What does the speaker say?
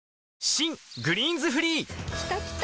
新「グリーンズフリー」きたきた！